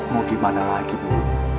mau gimana lagi bu